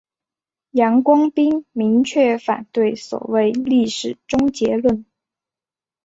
杨光斌明确反对所谓历史终结论。